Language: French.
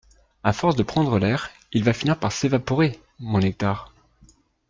À force de prendre l’air, il va finir par s’évaporer, mon nectar.